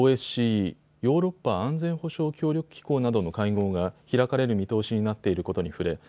・ヨーロッパ安全保障協力機構などの会合が開かれる見通しになっていることに触れ